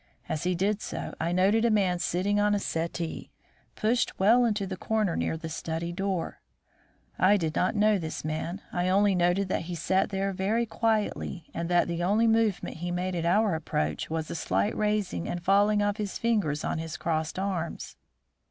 As he did so, I noted a man sitting on a settee pushed well into the corner near the study door. I did not know this man; I only noted that he sat there very quietly, and that the only movement he made at our approach was a slight raising and falling of his fingers on his crossed arms.